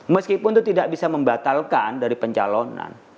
meskipun itu tidak bisa membatalkan dari pencalonan